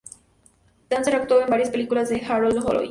Townsend actuó en varias películas de Harold Lloyd.